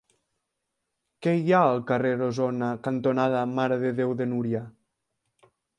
Què hi ha al carrer Osona cantonada Mare de Déu de Núria?